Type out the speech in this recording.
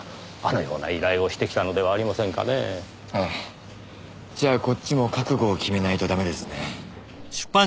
じゃあこっちも覚悟を決めないとダメですね。